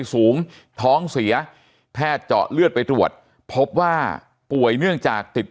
สูงท้องเสียแพทย์เจาะเลือดไปตรวจพบว่าป่วยเนื่องจากติด